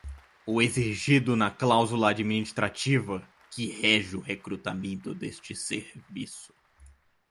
O exigido na cláusula administrativa que rege o recrutamento deste serviço.